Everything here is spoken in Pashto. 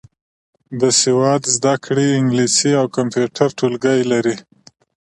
د سواد زده کړې انګلیسي او کمپیوټر ټولګي لري.